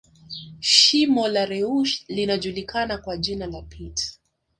Shimo la reusch linajulikana kwa jina la pit